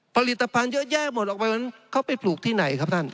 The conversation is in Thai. ผลิตภัณฑ์เยอะแยะหมดออกไปวันนั้นเขาไปปลูกที่ไหนครับท่าน